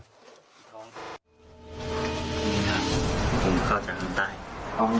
งูเข้าจากห้างใต้